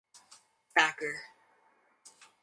Thacker.